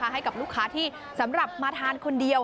ให้กับลูกค้าที่สำหรับมาทานคนเดียว